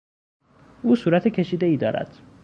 او صورت کشیدهای دارد.